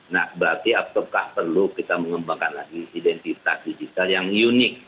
nah berarti apakah perlu kita mengembangkan lagi identitas digital yang unik